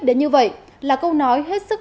đến như vậy là câu nói hết sức